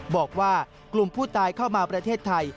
บอกว่ากลุ่มผู้ตายเข้ามาประเทศไทย